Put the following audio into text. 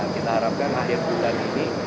kita harapkan akhir bulan ini